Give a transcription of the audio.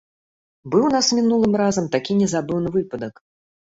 Быў у нас мінулым разам такі незабыўны выпадак.